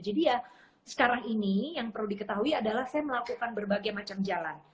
jadi ya sekarang ini yang perlu diketahui adalah saya melakukan berbagai macam jalan